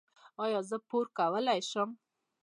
ایا زه پور کولی شم؟